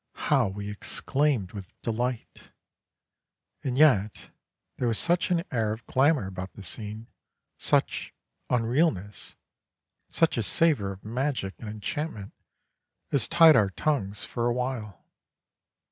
How we exclaimed with delight! and yet there was such an air of glamour about the scene, such unrealness, such a savour of magic and enchantment as tied our tongues for a while.